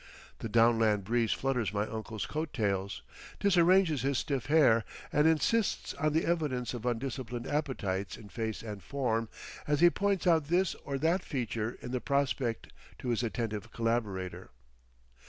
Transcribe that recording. The downland breeze flutters my uncle's coat tails, disarranges his stiff hair, and insists on the evidence of undisciplined appetites in face and form, as he points out this or that feature in the prospect to his attentive collaborator.